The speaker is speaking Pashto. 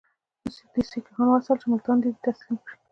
ده سیکهان وهڅول چې ملتان ده ته تسلیم کړي.